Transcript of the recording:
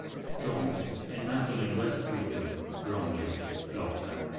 Jones è nato a West Wickham, Bromley, Londra.